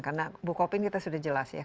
karena bu kopin kita sudah jelas ya